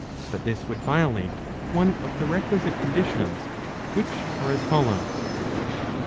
But this would violate one of the requisite conditions, which are as follows.